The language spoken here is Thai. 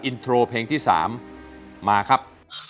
อินโทรเพลงที่๓มาครับ